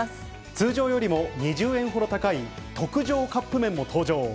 通常よりも２０円ほど高い特上カップ麺も登場。